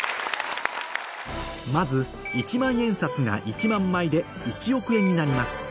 まず１万円札が１万枚で１億円になります